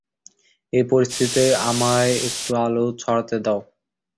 এই পরিস্থিতিতে আমায় একটু আলো ছড়াতে দাও।